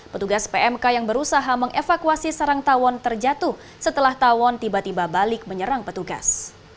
petugas pmk yang berusaha mengevakuasi sarang tawon terjatuh setelah tawon tiba tiba balik menyerang petugas